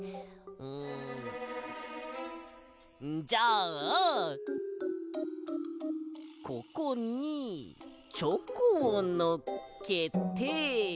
うんじゃあここにチョコをのっけて。